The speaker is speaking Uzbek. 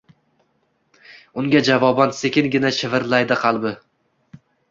unga javoban sekingina shivirlaydi qalbi